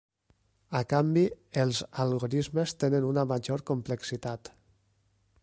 A canvi, els algorismes tenen una major complexitat.